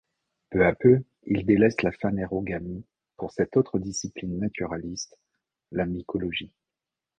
Peu à peu, il délaisse la phanérogamie pour cette autre discipline naturaliste, la mycologie.